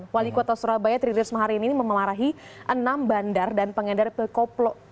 wali kota surabaya tridris maharin ini memelarahi enam bandar dan pengedar pekoplo